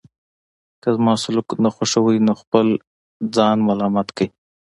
که زما سلوک نه خوښوئ نو خپل ځان ملامت کړئ.